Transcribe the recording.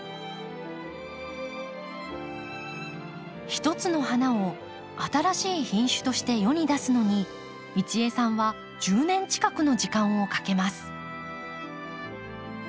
一つの花を新しい品種として世に出すのに一江さんは１０年近くの時間をかけます。